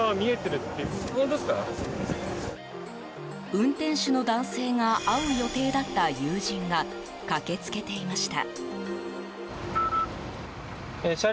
運転手の男性が会う予定だった友人が駆けつけていました。